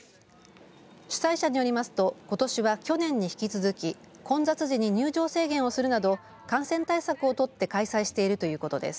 主催者によりますとことしは去年に引き続き混雑時に入場制限をするなど感染対策をとって開催しているということです。